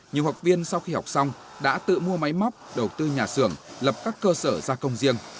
nhiều học viên sau khi học xong đã tự mua máy móc đầu tư nhà xưởng lập các cơ sở gia công riêng